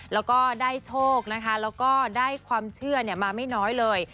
แล้วก็ได้โชคนะคะแล้วก็ได้ความเชื่อมาไม่น้อยเลย